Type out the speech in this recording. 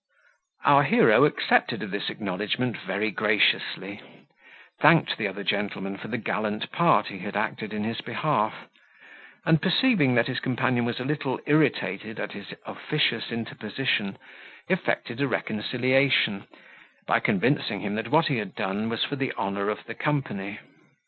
Our hero accepted of this acknowledgment very graciously; thanked the other gentleman for the gallant part he had acted in his behalf; and perceiving that his companion was a little irritated at his officious interposition, effected a reconciliation, by convincing him that what he had done was for the honour of the company.